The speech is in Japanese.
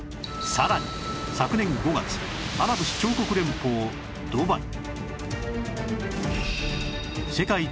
さらに昨年５月アラブ首長国連邦ドバイ